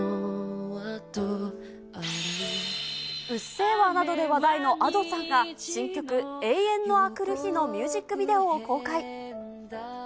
うっせぇわなどで話題のＡｄｏさんが、新曲、永遠のあくる日のミュージックビデオを公開。